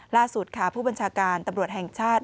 ทั้งที่ผู้บัญชาการตัมรถแห่งชาติ